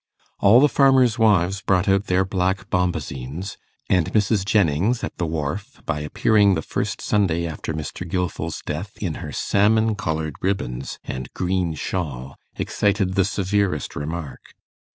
All the farmers' wives brought out their black bombasines; and Mrs. Jennings, at the Wharf, by appearing the first Sunday after Mr. Gilfil's death in her salmon coloured ribbons and green shawl, excited the severest remark.